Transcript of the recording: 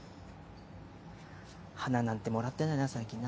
花なんてもらってないな、最近な。